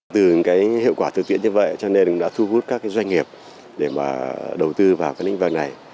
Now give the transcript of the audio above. từ hiệu quả thực tiện như vậy cho nên đã thu hút các doanh nghiệp để đầu tư vào cái lĩnh vực này